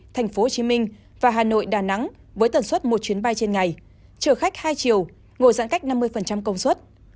thành phố hồ chí minh và hà nội đà nẵng với tần suất một chuyến bay trên ngày chở khách hai chiều ngồi giãn cách năm mươi công suất